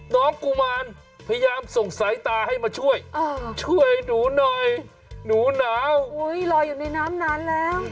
กุมารพยายามส่งสายตาให้มาช่วยช่วยหนูหน่อยหนูหนาวลอยอยู่ในน้ำนานแล้ว